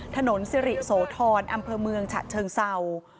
ถนนสิริโสธรอำเภอเมืองฉะเชิงเศร้า